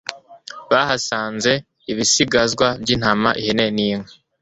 bahasanze ibisigazwa by’intama ihene n’inka